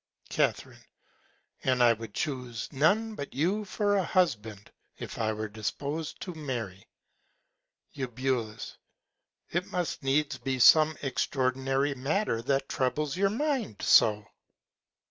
Ca. And I would chuse none but you for a Husband, if I were dispos'd to marry. Eu. It must needs be some extraordinary Matter that troubles your Mind so.